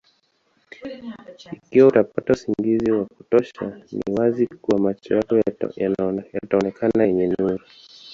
Ikiwa utapata usingizi wa kutosha ni wazi kuwa macho yako yataonekana yenye nuru